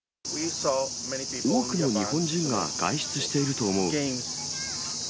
多くの日本人が外出していると思う。